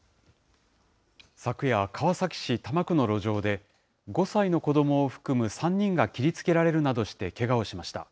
昨夜、川崎市多摩区の路上で、５歳の子どもを含む３人が切りつけられるなどしてけがをしました。